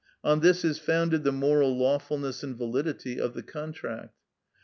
On this is founded the moral lawfulness and validity of the contract.